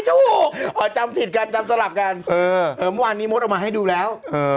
ถูกจำผิดกันจำสลับกันเมื่อวานนี้มดออกมาให้ดูแล้ว